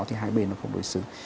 thì hai bên nó không đối xứng